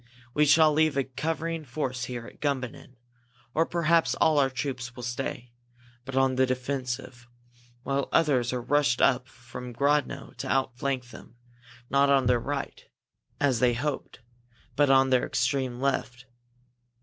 We shall leave a covering force here at Gumbinnen or perhaps all our troops here will stay, but on the defensive, while others are rushed up from Grodno to outflank them, not on their right, as they hoped, but on their extreme left!"